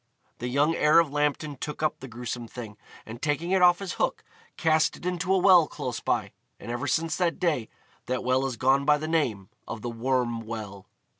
The young heir of Lambton took up the gruesome thing, and, taking it off his hook, cast it into a well close by, and ever since that day that well has gone by the name of the Worm Well.